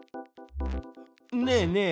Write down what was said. ねえねえ